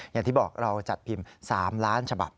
อย่างที่บอกเราจัดพิมพ์๓ล้านฉบับ